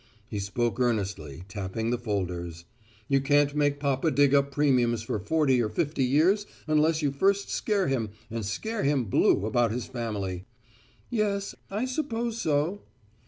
He spoke earnestly, tapping the folders. "You can't make papa dig up premiums for forty or fifty years unless you first scare him and scare him blue about his family." "Yes, I suppose so."